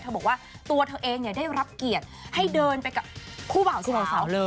บอกว่าตัวเธอเองได้รับเกียรติให้เดินไปกับคู่บ่าวสาวเลย